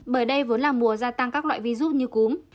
bởi đây vốn là mùa gia tăng các loại virus như cúm